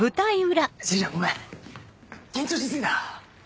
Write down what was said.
しずちゃんごめん緊張し過ぎた。